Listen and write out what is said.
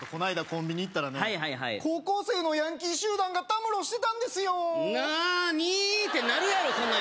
コンビニ行ったらね高校生のヤンキー集団がたむろしてたんですよなーにー？ってなるやろそんな